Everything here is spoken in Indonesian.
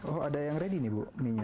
oh ada yang ready nih bu mie nya